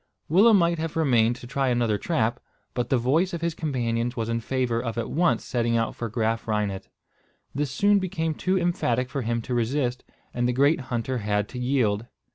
Willem might have remained to try another trap, but the voice of his companions was in favour of at once setting out for Graaf Reinet. This soon became too emphatic for him to resist, and the great hunter had to yield.